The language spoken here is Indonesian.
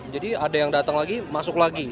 jadi ada yang datang lagi masuk lagi